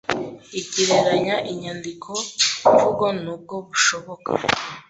igereranya inyandiko mvugo nubwo bishoboka